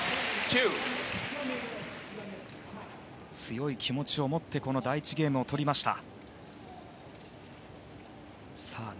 強い気持ちを持って第１ゲームを取りました。